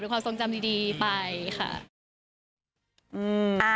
ความทรงจำดีไปค่ะ